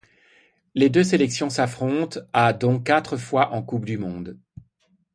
Les deux sélections s'affrontent à dont quatre fois en Coupe du monde.